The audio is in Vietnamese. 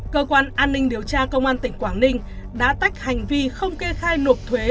cơ quan an ninh điều tra công an tỉnh quảng ninh đã tách hành vi không kê khai nộp thuế